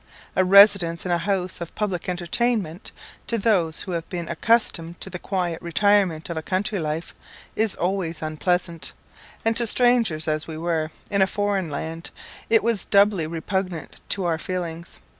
A residence in a house of public entertainment, to those who have been accustomed to the quiet and retirement of a country life, is always unpleasant, and to strangers as we were, in a foreign land, it was doubly repugnant to our feelings.